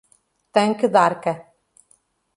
Tanque d'Arca